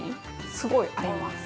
すごい合います。